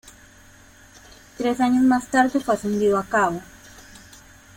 Tres años más tarde fue ascendido a cabo.